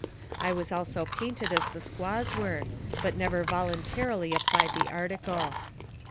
I was also painted as the squaws were, but never voluntarily ap plied the article.